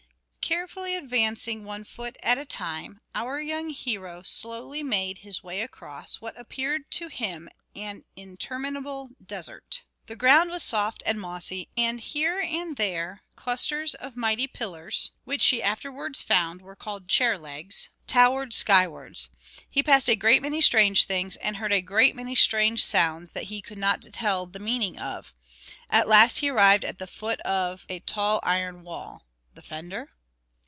_ Carefully advancing one foot a time, our young hero slowly made his way across what appeared to him an interminable desert. The ground was soft and mossy, and here and there clusters of mighty pillars (which he afterwards found were called chair legs) towered skywards. He passed a great many strange things, and heard a great many strange sounds that he could not tell the meaning of; at last he arrived at the foot of a tall iron wall (the fender?)